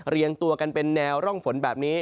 เรียงตัวกันเป็นแนวร่องฝนแบบนี้